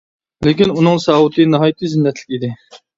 لېكىن ئۇنىڭ ساۋۇتى ناھايىتى زىننەتلىك ئىدى.